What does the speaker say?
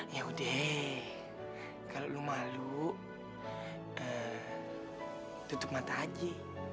yaudah kalau lo malu tutup mata aja